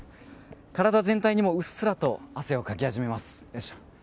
体全体にもうっすらと汗をかき始めます。